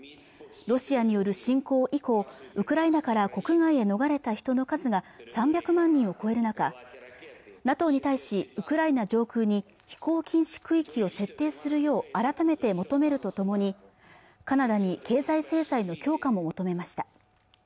ロシアによる侵攻以降ウクライナから国外へ逃れた人の数が３００万人を超える中ＮＡＴＯに対しウクライナ上空に飛行禁止区域を設定するよう改めて求めるとともにカナダに経済制裁の強化も求めました